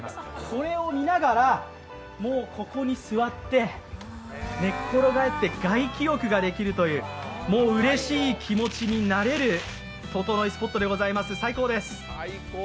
これを見ながら、ここに座って寝ころがって外気浴ができるというもう、うれしい気持ちになれる、ととのいスポットでございます最高です。